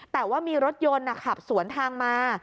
แต่ว่ามีรถยนต์ขับสวนทางมา